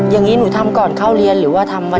อย่างนี้หนูทำก่อนเข้าเรียนหรือว่าทำไว้